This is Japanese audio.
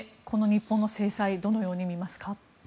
この日本の制裁どのように見ますか？